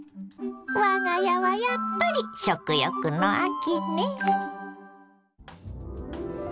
我が家はやっぱり食欲の秋ね。